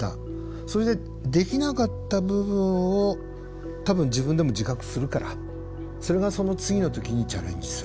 それでできなかった部分を多分自分でも自覚するからそれがその次の時にチャレンジする。